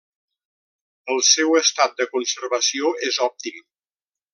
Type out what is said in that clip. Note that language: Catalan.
El seu estat de conservació és òptim.